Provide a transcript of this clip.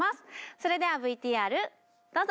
それではＶＴＲどうぞ！